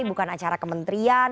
bukan acara kementerian